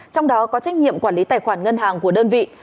trong đó có trách nhiệm quản lý tài khoản ngân hàng của đơn vị